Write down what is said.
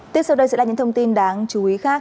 tiếp sau đây sẽ là những thông tin đáng chú ý khác